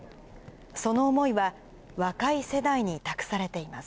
その思いは、若い世代に託されています。